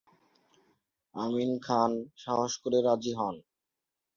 আমিন খান সাহস করে রাজি হন।